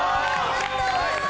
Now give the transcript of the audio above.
やったー！